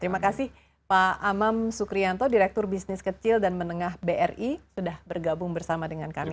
terima kasih pak amem sukrianto direktur bisnis kecil dan menengah bri sudah bergabung bersama dengan kami